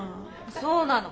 そうなの。